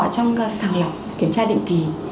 trong sàng lọc kiểm tra định kỳ